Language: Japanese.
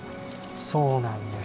そうなんです。